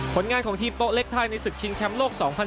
ผลงานของทีมโต๊ะเล็กไทยในศึกชิงแชมป์โลก๒๐๑๖